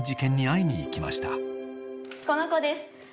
この子です